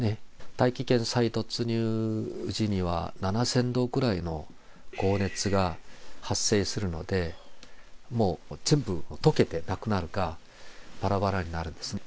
大気圏再突入時には、７０００度くらいの高熱が発生するので、もう全部溶けてなくなるか、ばらばらになるんですね。